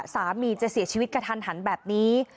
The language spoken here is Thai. สามีจะเสียชีวิตกระทันหันแบบนี้